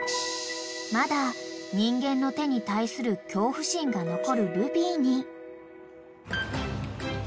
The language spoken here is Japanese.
［まだ人間の手に対する恐怖心が残るルビーに］